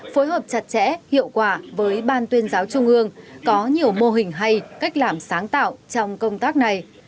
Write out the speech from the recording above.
phối hợp chặt chẽ hiệu quả với ban tuyên giáo trung ương có nhiều mô hình hay cách làm sáng tạo trong công tác này